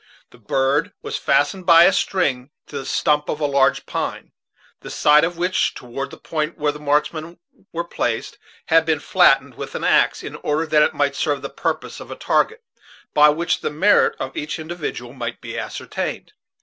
The bird was fastened by a string to the stump of a large pine, the side of which, toward the point where the marksmen were placed, had been flattened with an axe, in order that it might serve the purpose of a target, by which the merit of each individual might be ascertained.